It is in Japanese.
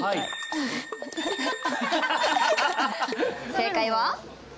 正解は？